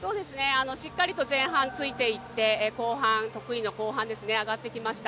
しっかり前半ついていって得意の後半、上がってきました。